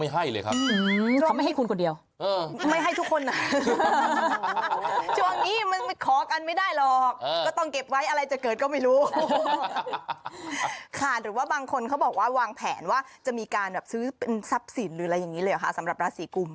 หรือว่าบางคนเขาบอกว่าวางแผนว่าจะมีการแบบซื้อเป็นทรัพย์สินหรืออะไรอย่างนี้เลยเหรอคะสำหรับราศีกุม